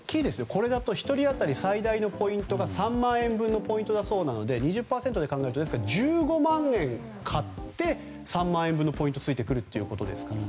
これだと１人当たり最大のポイントが３万円なので２０％で考えると１５万円買って３万円分のポイントがついてくるということですから。